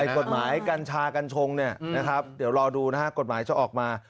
กฎหมายกัญชากัญชงเนี่ยนะครับเดี๋ยวรอดูนะฮะกฎหมายจะออกมา